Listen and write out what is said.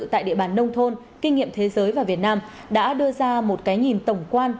tại địa bàn nông thôn kinh nghiệm thế giới và việt nam đã đưa ra một cái nhìn tổng quan